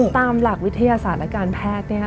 ตามหลักวิทยาศาสตร์และการแพทย์